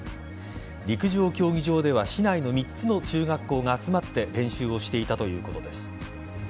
陸上競技場では市内の３つの中学校が集まって練習をしていたということです。